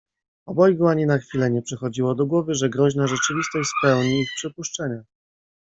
Obojgu ani na chwilę nie przychodziło do głowy, że groźna rzeczywistość spełni ich przypuszczenia.